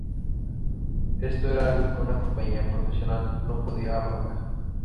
Esto era algo que una compañía profesional no podía afrontar.